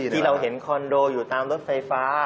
ที่เราเห็นคอนโดอยู่ตามรถไฟฟ้า